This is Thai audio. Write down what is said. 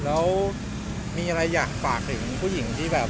แล้วมีอะไรอยากฝากถึงผู้หญิงที่แบบ